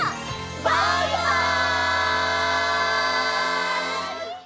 バイバイ！